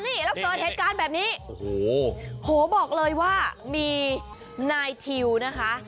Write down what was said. นี่แล้วเกิดเหตุการณ์แบบนี้โอ้โหโหบอกเลยว่ามีนายทิวนะคะ